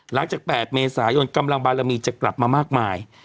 หลังจาก๘เมษายนกำลังบารมีจะกลับมามากมาย